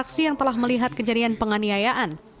empat reaksi yang telah melihat kejadian penganiayaan